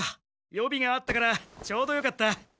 予備があったからちょうどよかった。